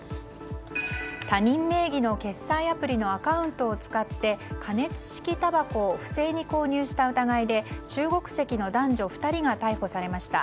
他人名義の決済アプリのアカウントを使って加熱式たばこを不正に購入した疑いで中国籍の男女２人が逮捕されました。